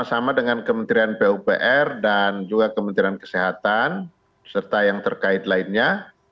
sama dengan kementerian pupr dan juga kementerian kesehatan serta yang terkait lainnya